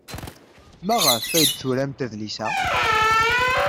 Maɣef ay d-turamt adlis-a?